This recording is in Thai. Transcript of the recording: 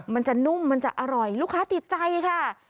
มันจะนุ่มมันจะอร่อยลูกค้าติดใจค่ะ